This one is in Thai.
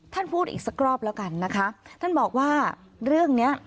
พูดอีกสักรอบแล้วกันนะคะท่านบอกว่าเรื่องเนี้ย